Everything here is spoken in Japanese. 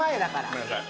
ごめんなさい。